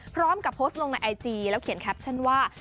พร้อมกับโพสต์ลงในไอจีแล้วเขียนแคปชั่นว่า